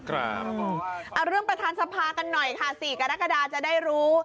เอาเรื่องประทานสัมพาร์ฟกันหน่อยสิคะนาคาดาจะได้รู้